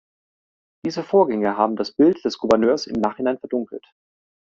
Diese Vorgänge haben das Bild des Gouverneurs im Nachhinein verdunkelt.